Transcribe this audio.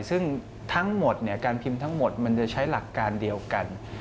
ซึ่งทั้งหมดการพิมพ์ทั้งหมดมันจะใช้หลักการเดียวกัน